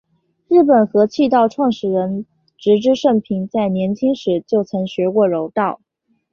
日本合气道创始人植芝盛平在年轻时就曾学过柔道。